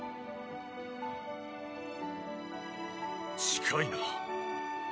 ・近いな。